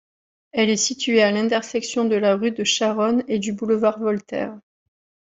Elle est située à l'intersection de la rue de Charonne et du boulevard Voltaire.